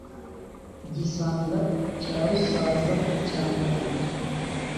gisanga cya rusaza cya muragira